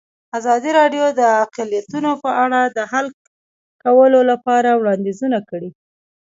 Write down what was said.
ازادي راډیو د اقلیتونه په اړه د حل کولو لپاره وړاندیزونه کړي.